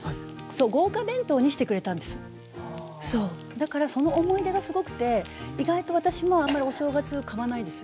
だからその思い出がすごくて意外と私もあまりお正月買わないです。